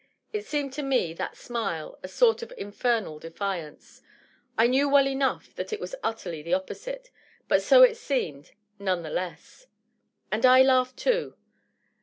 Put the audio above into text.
It seemed to me, that smile, a sort of infernal defiance. I knew , well enough that it was utterly the opposite, but so it seemed, none the less. And I laughed, too.